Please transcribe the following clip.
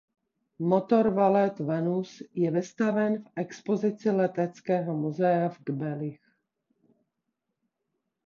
Motor Walter Venus je vystaven v expozici Leteckého muzea ve Kbelích.